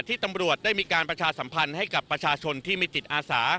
ตำรวจได้มีการประชาสัมพันธ์ให้กับประชาชนที่มีจิตอาสา